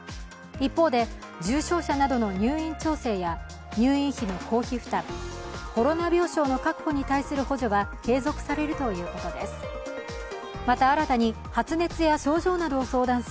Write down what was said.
一方で、重症者などの入院調整や入院費の公費負担、コロナ病床の確保に対する補助は継続されるということです。